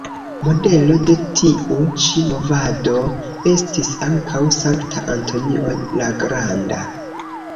Modelo de tiu ĉi movado estis ankaŭ Sankta Antonio la Granda.